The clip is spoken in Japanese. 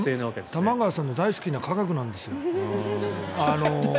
玉川さんの大好きな科学なんですよ。